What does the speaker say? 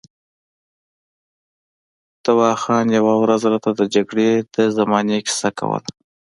دوا خان یوه ورځ راته د جګړې د زمانې کیسه کوله.